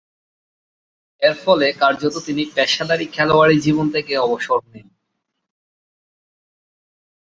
এরফলে, কার্যতঃ তিনি পেশাদারী খেলোয়াড়ী জীবন থেকে অবসর নেন।